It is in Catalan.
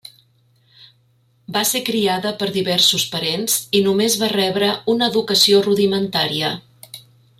Va ser criada per diversos parents, i només va rebre una educació rudimentària.